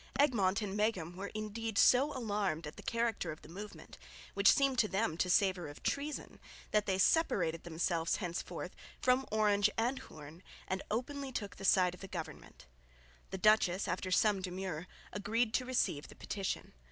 Egmont and Meghem were indeed so alarmed at the character of the movement, which seemed to them to savour of treason, that they separated themselves henceforth from Orange and Hoorn and openly took the side of the government. The duchess after some demur agreed to receive the petition.